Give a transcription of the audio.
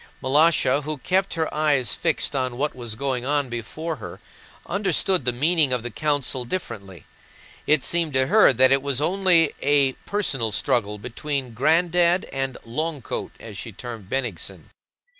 Malásha, who kept her eyes fixed on what was going on before her, understood the meaning of the council differently. It seemed to her that it was only a personal struggle between "Granddad" and "Long coat" as she termed Bennigsen.